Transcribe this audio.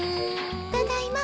ただいま。